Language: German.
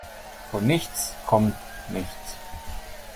Von nichts komm nichts.